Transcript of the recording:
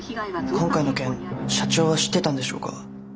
今回の件社長は知ってたんでしょうか？